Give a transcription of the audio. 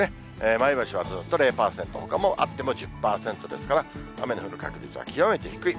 前橋はずっと０％、ほかもあっても１０％ですから、雨の降る確率は極めて低い。